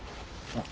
あっ。